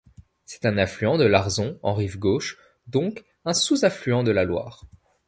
C'est un affluent de l'Arzon en rive gauche, donc un sous-affluent de la Loire.